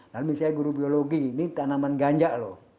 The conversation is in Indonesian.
lalu misalnya guru biologi ini tanaman ganja loh